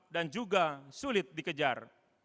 dan juga sulit dikejar